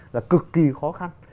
là cực kỳ khó khăn